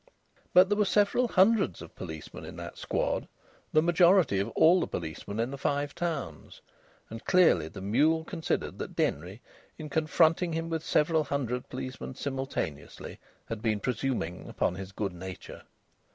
But there were several hundreds of policemen in that squad, the majority of all the policemen in the Five Towns. And clearly the mule considered that Denry, in confronting him with several hundred policemen simultaneously, had been presuming upon his good nature.